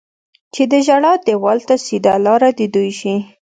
چې د ژړا دېوال ته سیده لاره د دوی شي.